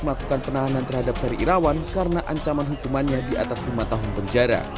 melakukan penahanan terhadap ferry irawan karena ancaman hukumannya di atas lima tahun penjara